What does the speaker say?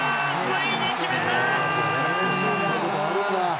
ついに決めた！